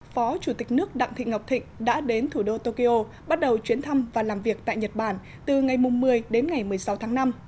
phó chủ tịch nước đặng thị ngọc thịnh đã đến thủ đô tokyo bắt đầu chuyến thăm và làm việc tại nhật bản từ ngày một mươi đến ngày một mươi sáu tháng năm